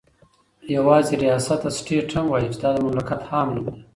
يوازي رياست ته سټيټ هم وايي چې دا دمملكت عام نوم دى